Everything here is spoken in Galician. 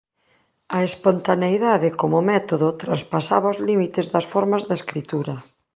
A espontaneidade como método traspasaba os límites das formas da escritura.